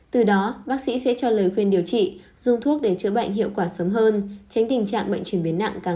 từ đó bác sĩ sẽ cho lời khuyên điều trị dùng thuốc để chữa bệnh hiệu quả sớm hơn tránh tình trạng bệnh chuyển biến nặng càng khó chữa hơn